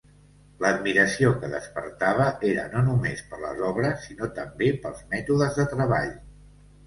L'admiració que despertava era no només per les obres sinó també pels mètodes de treball.